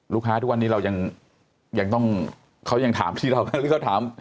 ทุกวันนี้เรายังต้องเขายังถามที่เรากันหรือเขาถาม